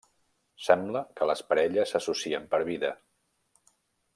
Sembla que les parelles s'associen per vida.